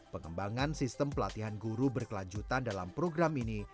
pengembangan sistem pelatihan guru berkelanjutan dalam program ini